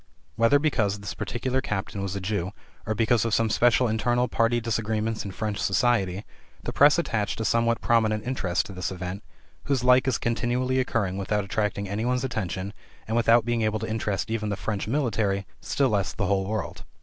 Whether because this particular captain was a Jew, or because of some special internal party disagreements in French society, the press attached a somewhat prominent interest to this event, whose like is continually occurring without attracting any one's attention, and without being able to interest even the French military, still less the whole world.